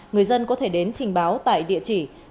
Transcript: người dân có thể đến trình báo tại địa chỉ